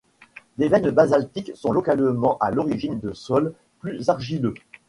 Des veines basaltiques sont localement à l'origine de sols plus argileux.